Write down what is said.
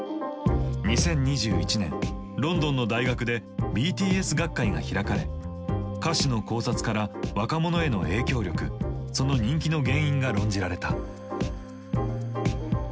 ２０２１年ロンドンの大学で「ＢＴＳ学会」が開かれ歌詞の考察から若者への影響力その人気の原因が論じられた。